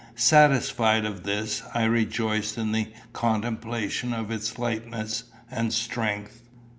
Satisfied of this, I rejoiced in the contemplation of its lightness and strength.